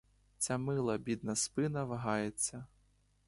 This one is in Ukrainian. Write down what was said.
Ця мила, бідна спина вагається.